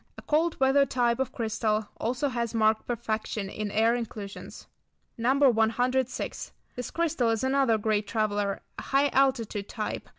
A cold weather type of crystal. Also has marked perfection in air inclusions. No. 106. This crystal is another great traveller, a high altitude type.